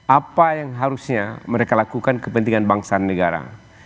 apa yang harusnya mereka lakukan kepentingan bangsa dan negara